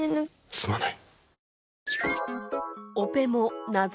すまない。